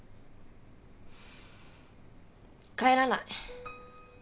帰らない。